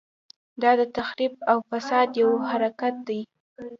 دا د تخریب او فساد یو حرکت دی.